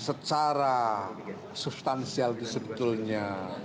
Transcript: secara substansial itu sebetulnya